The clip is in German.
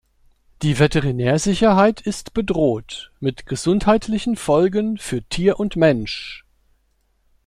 Die Veterinärsicherheit ist bedroht, mit gesundheitlichen Folgen für Tier und Mensch.